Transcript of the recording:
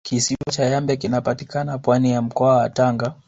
kisiwa cha yambe kinapatikana pwani ya mkoa wa tanga